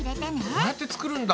こうやって作るんだ！